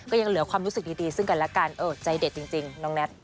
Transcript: ยังเหลือความรู้สึกดีซึ่งกันแล้วกันใจเด็ดจริงน้องแน็ต